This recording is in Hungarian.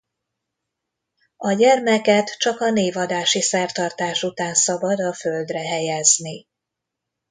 A gyermeket csak a névadási szertartás után szabad a földre helyezni.